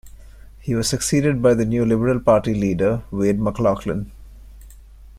He was succeeded by the new Liberal Party leader, Wade MacLauchlan.